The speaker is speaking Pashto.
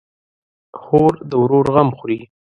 خور د ورور غم خوري.